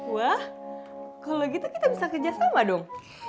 wah kalau gitu kita bisa kerja sama dong